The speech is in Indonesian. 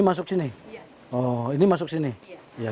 masuk sini oh ini masuk sini ya